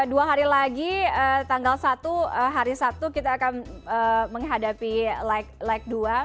dua hari lagi tanggal satu hari sabtu kita akan menghadapi leg dua